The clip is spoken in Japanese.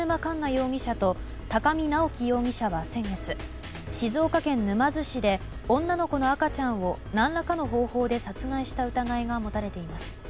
容疑者と高見直輝容疑者は先月静岡県沼津市で女の子の赤ちゃんを何らかの方法で殺害した疑いが持たれています。